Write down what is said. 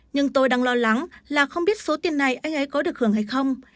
nhưng tôi đang lo lắng là không biết số tiền này anh ấy có được hưởng hay không